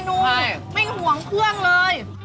ทุกเมนูไม่ห่วงพื้องเลย